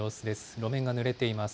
路面がぬれています。